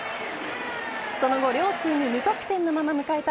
その後両チーム無得点のまま迎えた